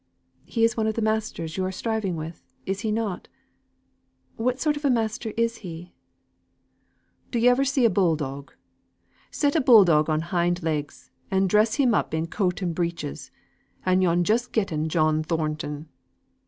"He is one of the masters you are striving with, is he not? What sort of a master is he?" "Did yo' ever see a bulldog? Set a bulldog on hind legs, and dress him up in coat and breeches, and yo'n just getten John Thornton."